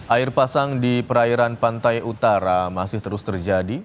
air pasang di perairan pantai utara masih terus terjadi